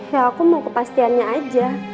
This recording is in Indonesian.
ya aku mau kepastiannya aja